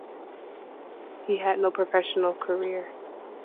He had no professional career.